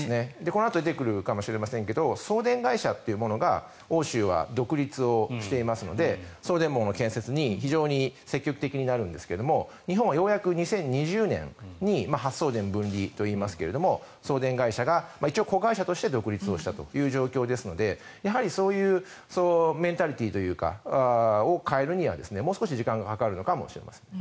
このあと出てくるかもしれませんが送電会社というのが欧州は独立をしていますので送電網の建設に非常に積極的になるんですが日本はようやく２０２０年に発送電分離といいますが送電会社が一応、子会社として独立をしたという状況ですのでやはりそういうメンタリティーというか変えるには、もう少し時間がかかるのかもしれません。